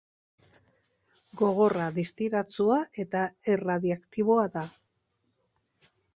Gogorra, distiratsua eta erradioaktiboa da.